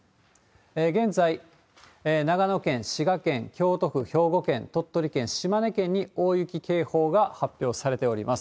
現在、長野県、滋賀県、京都府、兵庫県、鳥取県、島根県に大雪警報が発表されております。